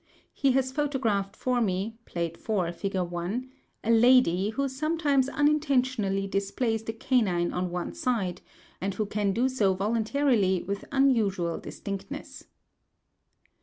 He has photographed for me (Plate IV. fig 1) a lady, who sometimes unintentionally displays the canine on one side, and who can do so voluntarily with unusual distinctness.